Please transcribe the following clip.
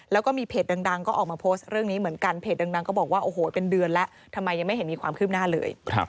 แล้วก็มีเพจดังก็ออกมาโพสต์เรื่องนี้เหมือนกันเพจดังก็บอกว่าโอ้โหเป็นเดือนแล้วทำไมยังไม่เห็นมีความคืบหน้าเลย